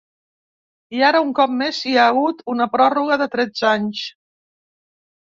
I ara un cop més hi ha hagut una pròrroga, de tretze anys.